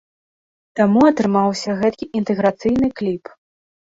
Таму атрымаўся гэткі інтэграцыйны кліп.